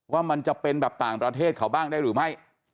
ว่ามันจะเป็นแบบต่างประเทศเขาบ้างได้หรือไม่